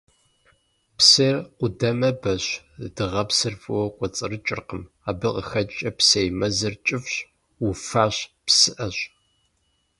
Псейр къудамэбэщ, дыгъэпсыр фӀыуэ кӀуэцӀрыкӀыркъым, абы къыхэкӀкӀэ псей мэзыр кӀыфӀщ, уфащ, псыӀэщ.